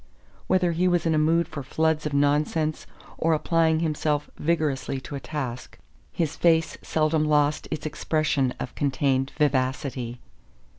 Whether he was in a mood for floods of nonsense or applying himself vigorously to a task, his face seldom lost its expression of contained vivacity.